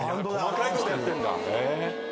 細かいことやってんだ。